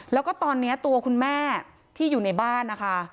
แล้วก็ตอนนี้ตัวคุณแม่ที่อยู่ในบ้านนะคะ